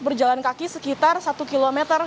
berjalan kaki sekitar satu km